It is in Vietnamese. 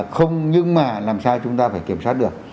không nhưng mà làm sao chúng ta phải kiểm soát được